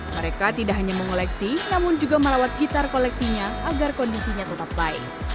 mereka tidak hanya mengoleksi namun juga merawat gitar koleksinya agar kondisinya tetap baik